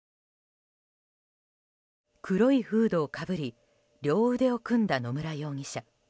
黒いフードをかぶり両腕を組んだ野村容疑者。